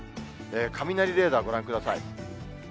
雷レーダーご覧ください。